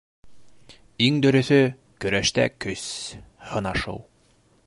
- Иң дөрөҫө - көрәштә көс һынашыу.